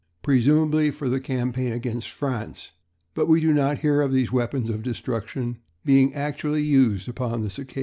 presumably for the campaign against France, but we do not hear of these weapons of destruction being actually used upon this occasion.